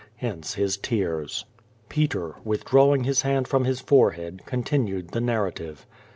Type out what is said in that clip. Hence his tears. Peter, withdrawing his hand from his forehead, continued the narrative.